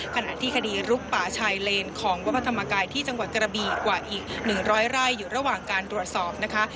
ขณะที่คดีลุกป่าชายเลนของวัดพระธรรมกายที่จังหวัดกระบีกว่าอีก๑๐๐ไร่อยู่ระหว่างการตรวจสอบนะคะ